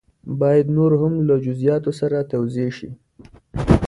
باید نور هم له جزیاتو سره توضیح شي.